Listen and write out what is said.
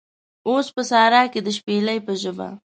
اوس په سارا کې د شپیلۍ په ژبه